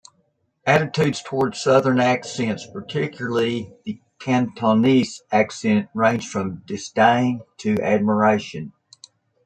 Attitudes towards southern accents, particularly the Cantonese accent, range from disdain to admiration.